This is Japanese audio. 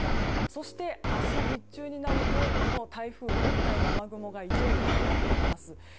そして、明日日中になるとこの台風本体の雨雲がいよいよかかってきます。